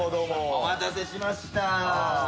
お待たせしました。